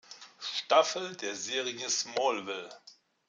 Staffel der Serie "Smallville".